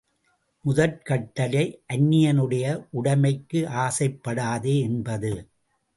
முதற் கட்டளை, அன்னியனுடைய உடைமைக்கு ஆசைப் படாதே என்பது.